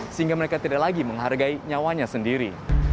sehingga mereka tidak lagi menghargai nyawanya sendiri